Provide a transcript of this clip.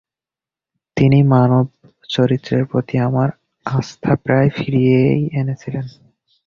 তিনি মানবচরিত্রের প্রতি আমার আস্থা প্রায় ফিরিয়েই এনেছিলেন।